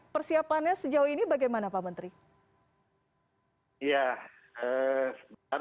persiapannya sejauh ini bagaimana pak menteri